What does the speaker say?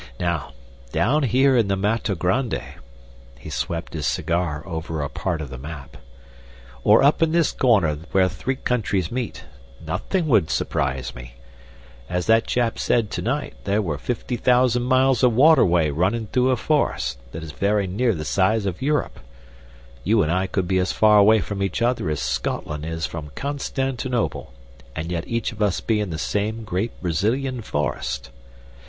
Now, down here in the Matto Grande" he swept his cigar over a part of the map "or up in this corner where three countries meet, nothin' would surprise me. As that chap said to night, there are fifty thousand miles of water way runnin' through a forest that is very near the size of Europe. You and I could be as far away from each other as Scotland is from Constantinople, and yet each of us be in the same great Brazilian forest.